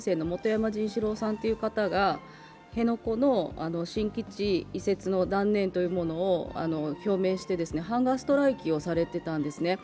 山仁士郎さんという方が辺野古の新基地移設の断念を表明して、ハンガーストライキをされていたんですね。